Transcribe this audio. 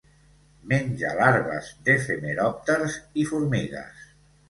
Menja larves d'efemeròpters i formigues.